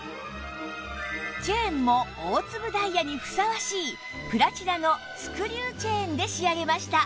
チェーンも大粒ダイヤにふさわしいプラチナのスクリューチェーンで仕上げました